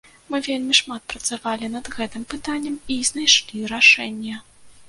Мы вельмі шмат працавалі над гэтым пытаннем і знайшлі рашэнне.